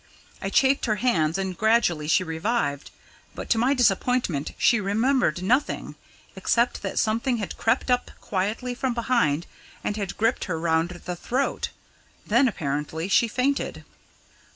I chafed her hands and gradually she revived, but to my disappointment she remembered nothing except that something had crept up quietly from behind, and had gripped her round the throat. Then, apparently, she fainted."